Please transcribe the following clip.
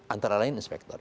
antara lain inspektor